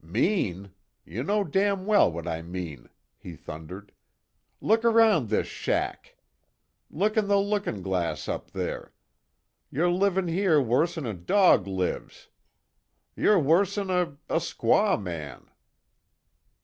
"Mean! You know damn well what I mean!" he thundered. "Look around this shack! Look in the lookin' glass up there! You're livin' here worse'n a dog lives! You're worse'n a a squaw man!"